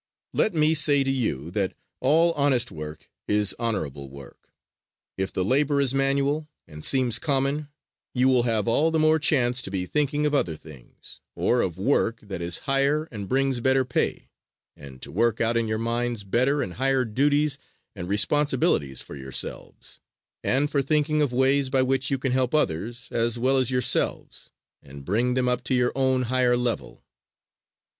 Let me say to you that all honest work is honorable work. If the labor is manual, and seems common, you will have all the more chance to be thinking of other things, or of work that is higher and brings better pay, and to work out in your minds better and higher duties and responsibilities for yourselves, and for thinking of ways by which you can help others as well as yourselves, and bring them up to your own higher level."